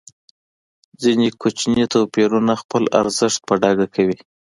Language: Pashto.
ځینې کوچني توپیرونه خپل ارزښت په ډاګه کوي.